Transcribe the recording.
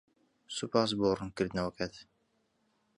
سوپاس بۆ ڕوونکردنەوەکەت.